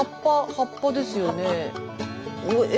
葉っぱですよねえ。